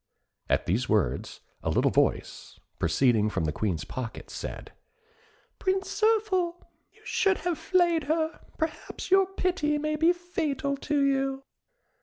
At these words, a little voice, proceeding from the Queen's pocket, said, "Prince Zirphil, you should have flayed her; perhaps your pity may be fatal to you."